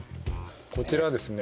こちらはですね